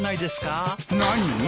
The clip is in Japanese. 何？